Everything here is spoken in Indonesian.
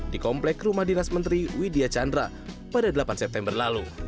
di komplek rumah dinas menteri widya chandra pada delapan september lalu